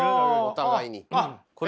お互いに。